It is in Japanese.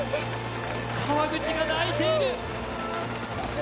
川口が泣いている。